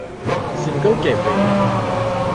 ซิงเกิ้ลเกตเวย์